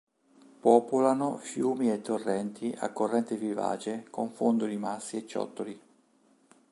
Popolano fiumi e torrenti a corrente vivace con fondo di massi e ciottoli.